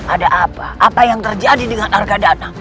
ada apa apa yang terjadi dengan harga dana